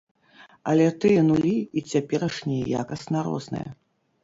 Але тыя нулі і цяперашнія якасна розныя.